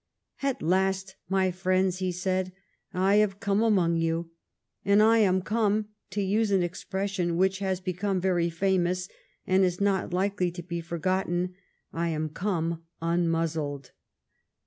" At last, my friends," he said, " I am come among you ; and I am come, to use an expres sion which has become very famous and is not likely to be forgotten, I am come unmuzzled."